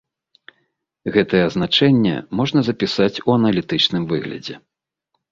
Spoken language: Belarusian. Гэтае азначэнне можна запісаць у аналітычным выглядзе.